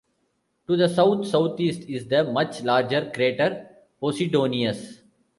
To the south-southeast is the much larger crater Posidonius.